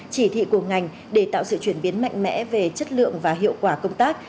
chỉ thị của ngành để tạo sự chuyển biến mạnh mẽ về chất lượng và hiệu quả công tác